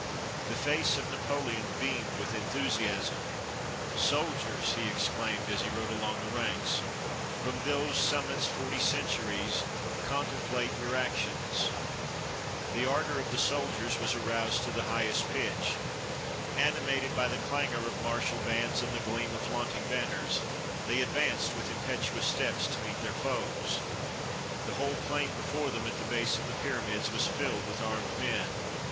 The face of Napoleon beamed with enthusiasm, "Sol diers!" he exclaimed, as he rode along the ranks, "from those summits forty centuries contemplate your ac tions." The ardor of the soldiers was aroused to the highest pitch. Animated by the clangor of martial bands and the gleam of flaunting banners, they ad vanced with impetuous steps to meet their foes. The whole plain before them, at the base of the pyramids, was filled with armed men.